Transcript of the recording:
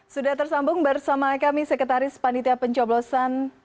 sudah tersambung bersama kami sekretaris panitia pencoblosan